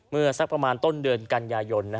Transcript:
สักประมาณต้นเดือนกันยายน